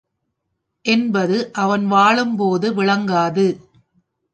என்பது அவன் வாழும்போது விளங்காது.